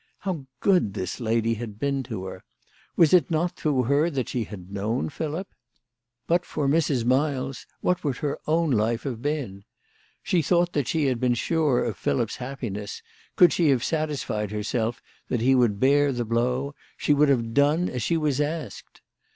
How good this lady had been to her ! Was it not through her that she had known Philip ? But for Mrs. Miles, what would her own life have been ? She thought that had she been sure of Philip's happiness, could she have satisfied herself that he would bear the blow, she would have done as she was asked.